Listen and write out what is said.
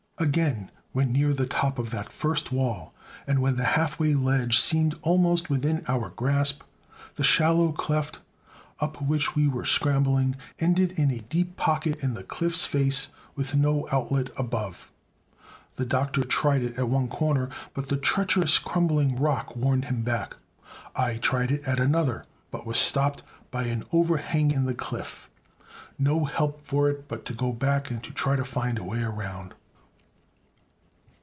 Again, when near the top of that first wall, and when the halfway ledge seemed almost within our grasp, the shallow cleft up which we were scrambling ended in a deep pocket in the cliff's face, with no outlet above. The Doctor tried it at one corner, but the treacherous crumbling rock warned him back. I tried it at another, but was stopped by an overhang in the cliff. No help for it but to go back and try to find a way around.